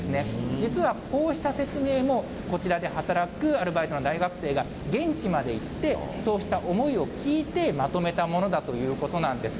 実はこうした説明も、こちらで働くアルバイトの大学生が現地まで行って、そうした思いを聞いてまとめたものだということなんです。